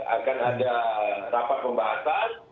akan ada rapat pembahasan